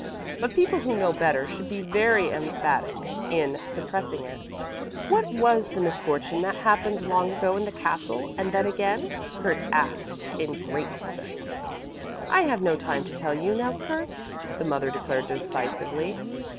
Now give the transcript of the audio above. But people who know better should be very emphatic in suppressing it." "What was the misfortune that happened long ago in the castle and then again?" Kurt asked in great suspense. "I have no time to tell you now, Kurt," the mother declared decisively.